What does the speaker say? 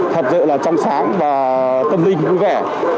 thật sự là trong sáng và tâm linh vui vẻ